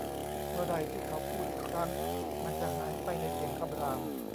เมื่อไหร่ที่เขาพูดอีกครั้ง มันจะหายไปในเสียงคำราม